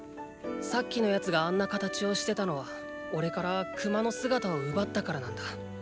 さっきの奴があんな形をしてたのはおれからクマの姿を奪ったからなんだ。